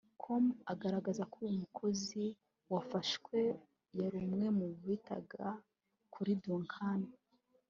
com agaragaza ko uyu mukozi wafashwe yari umwe mu bitaga kuri Duncan